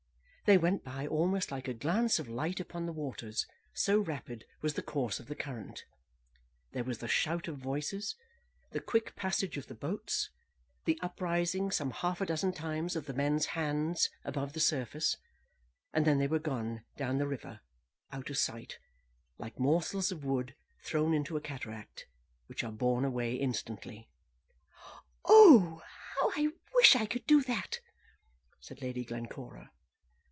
They went by almost like a glance of light upon the waters, so rapid was the course of the current. There was the shout of voices, the quick passage of the boats, the uprising, some half a dozen times, of the men's hands above the surface; and then they were gone down the river, out of sight, like morsels of wood thrown into a cataract, which are borne away instantly. "Oh, how I wish I could do that!" said Lady Glencora.